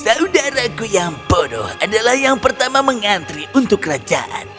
saudaraku yang bodoh adalah yang pertama mengantri untuk kerajaan